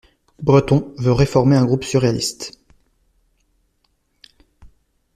Breton veut reformer un groupe surréaliste.